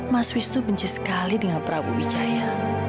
mas wisnu benci sekali dengan prabu wijaya